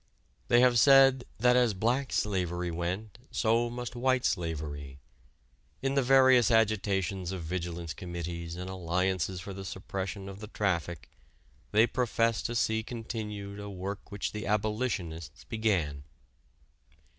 They have said that as "black slavery" went, so must "white slavery." In the various agitations of vigilance committees and alliances for the suppression of the traffic they profess to see continued a work which the abolitionists began.